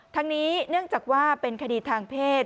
ทั้งนี้เนื่องจากว่าเป็นคดีทางเพศ